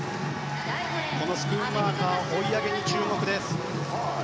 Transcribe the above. このスクンマーカーの追い上げに注目です。